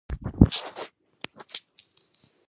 ایا زه فاتحې ته لاړ شم؟